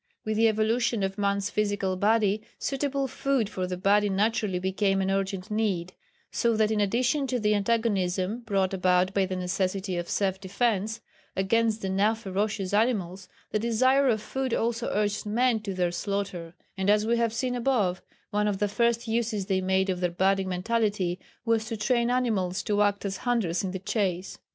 With the evolution of man's physical body, suitable food for that body naturally became an urgent need, so that in addition to the antagonism brought about by the necessity of self defence against the now ferocious animals, the desire of food also urged men to their slaughter, and as we have seen above, one of the first uses they made of their budding mentality was to train animals to act as hunters in the chase.